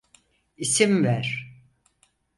İsim ver.